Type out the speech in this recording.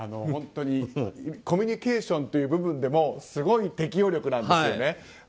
本当にコミュニケーションという部分でもすごい適応力なんですよね。